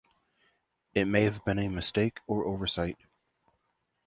It may have been a mistake or oversight.